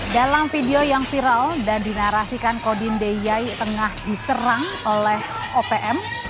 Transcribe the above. dalam video yang viral dan dinarasikan kodin de yai tengah diserang oleh opm